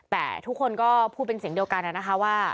แต่ทุกคนก็พูดเป็นเสียงเดียวกันนะคะว่า